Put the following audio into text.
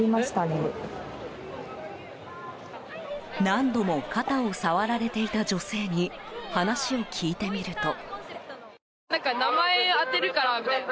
何度も肩を触られていた女性に話を聞いてみると。